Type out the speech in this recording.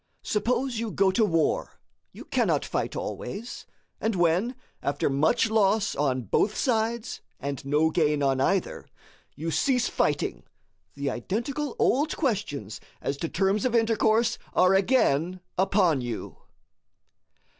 Suppose you go to war, you cannot fight always; and when, after much loss on both sides, an no gain on either, you cease fighting, the identical old questions as to terms of intercourse are again upon you.